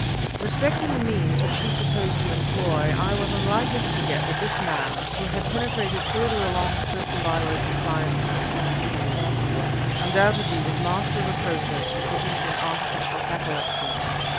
Respecting the means which he proposed to employ, I was unlikely to forget that this man, who had penetrated further along certain byways of science than seemed humanly possible, undoubtedly was master of a process for producing artificial catalepsy.